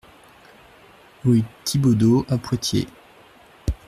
Rue Thibaudeau à Poitiers